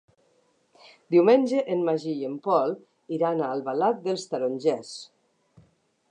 Diumenge en Magí i en Pol iran a Albalat dels Tarongers.